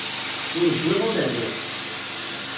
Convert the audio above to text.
Ur wwiɣ ur rriɣ.